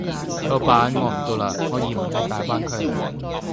老闆我唔 Do 啦，我移民去大灣區啦